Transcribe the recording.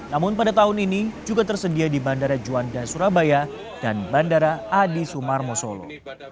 namun pada tahun ini juga tersedia di bandara juanda surabaya dan bandara adi sumarmo solo